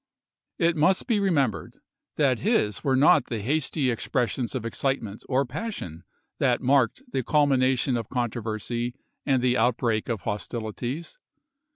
It must be remembered that his were not the hasty expres sions of excitement or passion that marked the culmination of controversy and the outbreak of Nov.19,1863. hostilities.